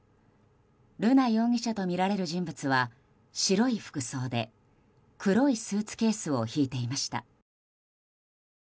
瑠奈容疑者とみられる人物は白い服装で黒いスーツケースを引いていました。